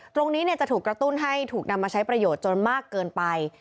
ตรงนี้จะถูกกระตุ้นให้ถูกนำมาใช้ประโยชน์จนมากเกินไป